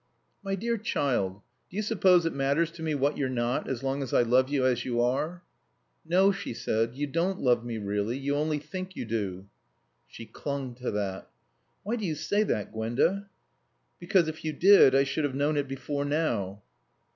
"My dear child, do you suppose it matters to me what you're not, as long as I love you as you are?" "No," she said, "you don't love me really. You only think you do." She clung to that. "Why do you say that, Gwenda?" "Because, if you did, I should have known it before now."